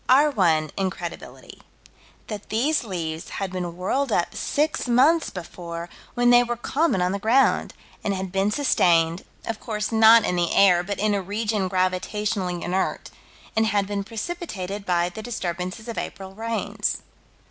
Our one incredibility: That these leaves had been whirled up six months before, when they were common on the ground, and had been sustained, of course not in the air, but in a region gravitationally inert; and had been precipitated by the disturbances of April rains.